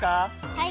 はい。